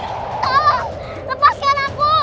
tolong lepaskan aku